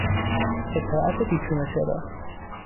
اطاعت بیچون و چرا